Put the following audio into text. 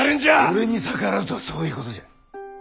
俺に逆らうとはそういうことじゃ。